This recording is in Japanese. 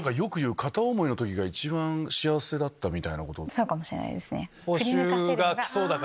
え⁉そうかもしれないですね。